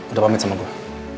udah pamit sama gua